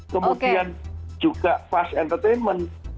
kemudian juga fast entertainment